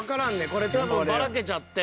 これ多分ばらけちゃって。